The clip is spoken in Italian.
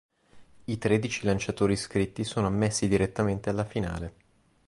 I tredici lanciatori iscritti sono ammessi direttamente alla finale.